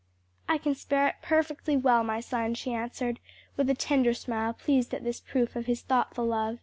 "I can spare it perfectly well, my son," she answered, with a tender smile, pleased at this proof of his thoughtful love.